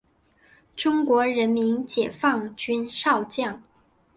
中国人民解放军少将。